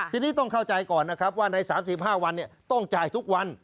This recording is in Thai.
ทีนี้ต้องเข้าใจก่อนนะครับว่าใน๓๕วันต้องจ่ายทุกวัน